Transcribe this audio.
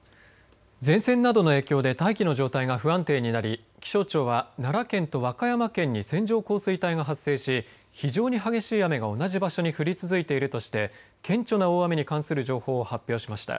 前線などの影響で大気の状態が不安定になり気象庁は奈良県と和歌山県に線状降水帯が発生し非常に激しい雨が同じ場所に降り続いているとして顕著な大雨に関する情報を発表しました。